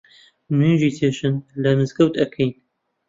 نوێژی جێژن لە مزگەوت ئەکەین